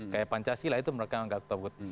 seperti pancasila itu mereka anggap togut